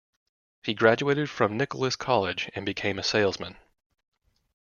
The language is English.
He graduated from Nichols College and became a salesman.